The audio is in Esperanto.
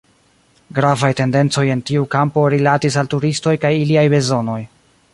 Gravaj tendencoj en tiu kampo rilatis al turistoj kaj iliaj bezonoj.